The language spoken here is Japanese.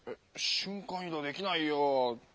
瞬間移動できないよ。